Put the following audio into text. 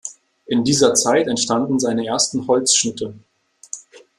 In dieser Zeit entstanden seine ersten Holzschnitte.